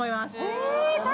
え！